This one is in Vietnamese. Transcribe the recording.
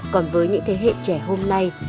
còn với những thế hệ trẻ hôm nay